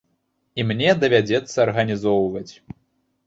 І мне давядзецца арганізоўваць.